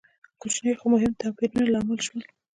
کوچني خو مهم توپیرونه لامل شول.